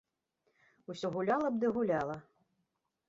Усё гуляла б ды гуляла.